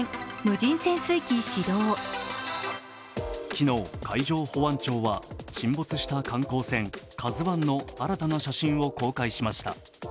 昨日海上保安庁は沈没した観光船「ＫＡＺＵⅠ」の新たな写真を公開しました。